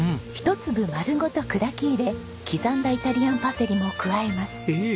一粒丸ごと砕き入れ刻んだイタリアンパセリも加えます。